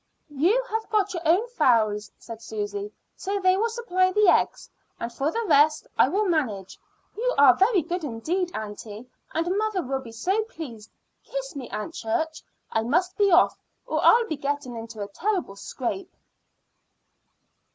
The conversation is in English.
"You have got your own fowls," said Susy, "so they will supply the eggs; and for the rest I will manage. You are very good indeed, aunty, and mother will be so pleased. Kiss me, Aunt Church. I must be off or I'll be getting into a terrible scrape."